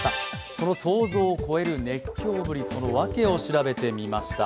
その想像を超える熱狂ぶり、その訳を調べてみました。